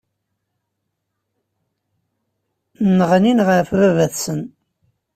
Nneɣnin ɣef baba-tsen.